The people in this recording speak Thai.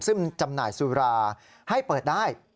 ซึ่งจำหน่ายสุราให้เปิดได้